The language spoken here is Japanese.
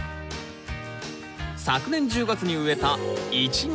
昨年１０月に植えたイチゴ。